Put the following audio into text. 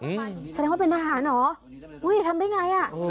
มันแสดงว่าเป็นทหารเหรออุ้ยทำได้ไงอ่ะ